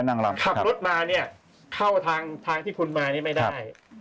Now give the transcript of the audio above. ขับรถมาเนี่ยเข้าทางทางที่คุณมานี่ไม่ได้